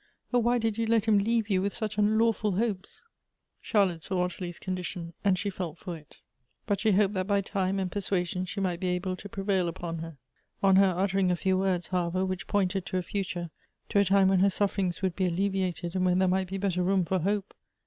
Oh, why did you let him leave you with such un lawful hopes !" Charlotte saw Ottilie's condition, and she felt for it; 288 Goethe's but she hoped that by time and persuasion she might be able to prevail upon her. On her uttering a few words, however, which pointed to a future, — to a time when her sufferings would be alleviated, and when there might be better room for hope